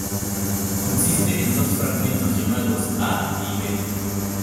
Consiste en dos fragmentos, llamados "A" y "B".